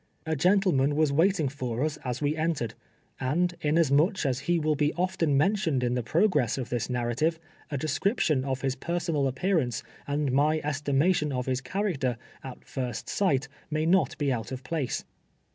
A gentleman was waiting lor us a8 we entered, and inasmuch as he will be often men tioned in the progress of this narrative, a description of his personal appearance, and my estimation of his character, at first sight, may not be out of place.